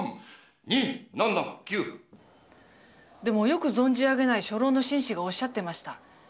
でもよく存じ上げない初老の紳士がおっしゃってました。